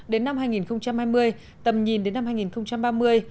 đến năm hai nghìn hai mươi tầm nhìn đến năm hai nghìn ba mươi